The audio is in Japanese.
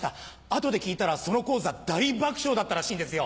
後で聞いたらその高座大爆笑だったらしいんですよ。